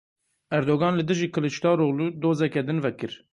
Erdogan li dijî Kiliçdaroglu dozeke din vekir.